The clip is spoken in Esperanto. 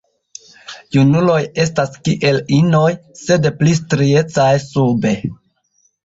Junuloj estas kiel inoj, sed pli striecaj sube.